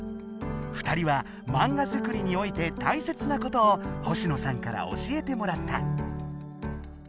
二人はマンガ作りにおいてたいせつなことを星野さんから教えてもらった！